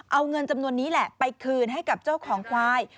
เอาเงินจำนวนนี้แหละไปคืนให้กับเจ้าของควาย